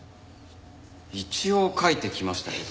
一応描いてきましたけど。